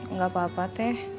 nggak apa apa teh